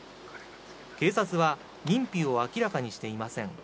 警察は認否を明らかにしていません。